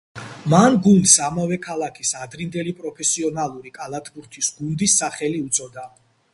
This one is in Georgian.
მან გუნდს ამავე ქალაქის, ადრინდელი, პროფესიონალური კალათბურთის გუნდის სახელი უწოდა.